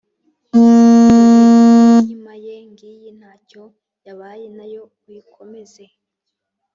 ‘ dore n’inkima ye ngiyi nta cyo yabaye na yo uyikomeze.’